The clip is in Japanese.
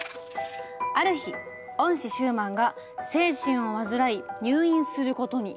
ある日恩師シューマンが精神を患い入院することに。